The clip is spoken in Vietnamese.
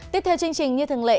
tiếp theo chương trình như thường lệ